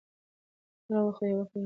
اتل و خو يو علت يې درلودی .